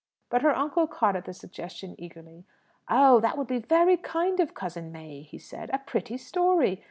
But her uncle caught at the suggestion eagerly. "Oh, that would be very kind of Cousin May," he said. "A pretty story!